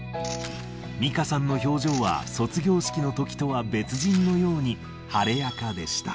ミカさんの表情は、卒業式のときとは別人のように、晴れやかでした。